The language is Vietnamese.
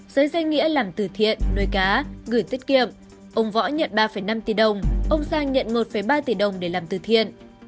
dưới danh nghĩa làm từ thiện nuôi cá gửi tiết kiệm ông võ nhận ba năm tỷ đồng ông sang nhận một ba tỷ đồng để làm từ thiện